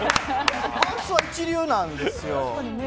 パーツは一流なんですよ。